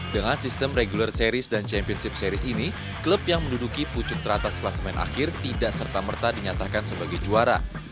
dengan sistem regular series dan championship series ini klub yang menduduki pucuk teratas kelas main akhir tidak serta merta dinyatakan sebagai juara